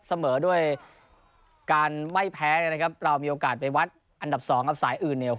เสมอด้วยการไว้แพ้นะครับเรามีโอกาสไปวัดอันดับ๒กับสายอื่น